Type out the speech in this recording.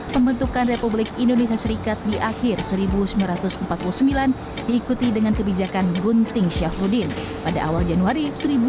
pembentukan republik indonesia serikat di akhir seribu sembilan ratus empat puluh sembilan diikuti dengan kebijakan gunting syafruddin pada awal januari seribu sembilan ratus empat puluh